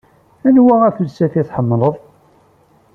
Anwa afelsaf i tḥemmleḍ?